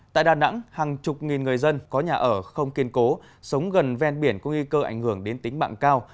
tại đà nẵng hàng chục nghìn người dân có nhà ở không kiên cố sống gần ven biển có nghi cơ ảnh hưởng đến tính mạng cao